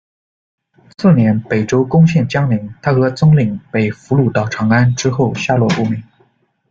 次年，北周攻陷江陵，他和宗懔被俘掳到长安，之后下落不明。